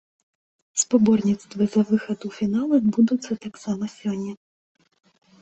Спаборніцтвы за выхад у фінал адбудуцца таксама сёння.